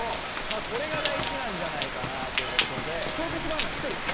これが大事なんじゃないかなということで挑戦してもらうのは１人。